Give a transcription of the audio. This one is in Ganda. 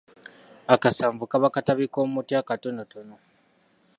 Akasanvu kaba katabi k’omuti akatonotono.